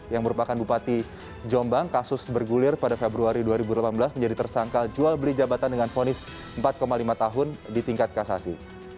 yang merupakan bupati jombang kasus bergulir pada februari dua ribu delapan belas menjadi tersangka jual beli jabatan dengan fonis empat lima tahun di tingkat kasasi